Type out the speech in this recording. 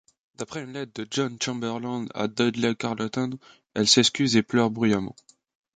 D'après une lettre de John Chamberland à Dudley Carleton, elle s'excuse et pleure bruyamment.